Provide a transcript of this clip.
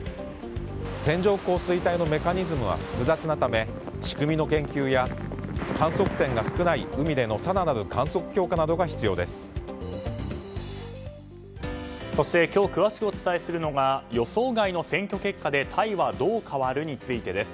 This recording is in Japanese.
線状降水帯のメカニズムは複雑なため仕組みの研究や観測点が少ない海での更なる観測強化などがそして、今日詳しくお伝えするのが予想外の選挙結果でタイはどう変わる？についてです。